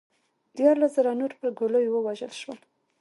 دیارلس زره نور پر ګولیو ووژل شول